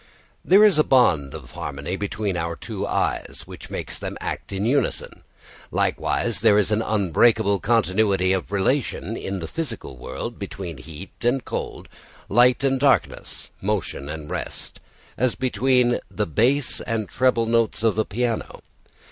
There is a bond of harmony between our two eyes, which makes them act in unison. Likewise there is an unbreakable continuity of relation in the physical world between heat and cold, light and darkness, motion and rest, as between the bass and treble notes of a piano.